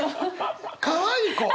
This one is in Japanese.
かわいい子。